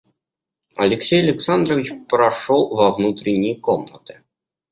Алексей Александрович прошел во внутрение комнаты.